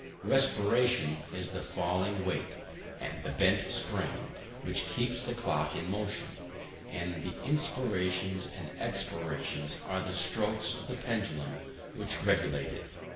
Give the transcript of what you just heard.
Respiration is the falling weight the bent spring, which keeps the clock in motion; the inspirations and expirations are the strokes of the pendulum which regulate it.